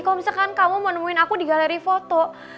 kalau misalkan kamu mau nemuin aku di galeri foto